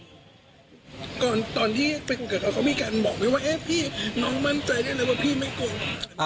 ตอนที่ไปคุยกับเขาเขามีการบอกไหมว่าเอ๊ะพี่น้องมั่นใจได้เลยว่าพี่ไม่โกง